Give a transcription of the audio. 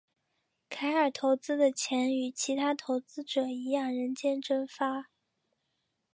凯尔投资的钱与其他投资者一样人间蒸发。